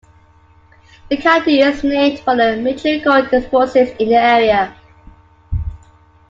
The county is named for the major coal deposits in the area.